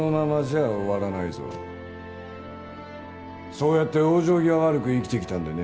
そうやって往生際悪く生きてきたんでね。